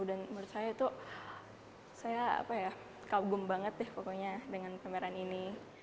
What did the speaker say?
dan menurut saya saya kagum banget pokoknya dengan pameran ini